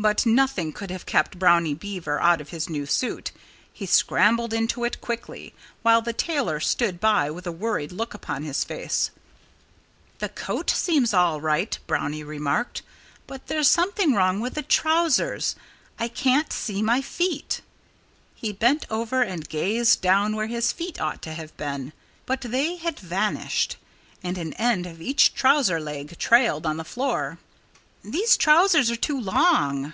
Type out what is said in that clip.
But nothing could have kept Brownie Beaver out of his new suit. He scrambled into it quickly, while the tailor stood by with a worried look upon his face. "The coat seems to be all right," Brownie remarked. "But there's something wrong with the trousers. I can't see my feet!" He bent over and gazed down where his feet ought to have been. But they had vanished. And an end of each trouser leg trailed on the floor. "These trousers are too long!"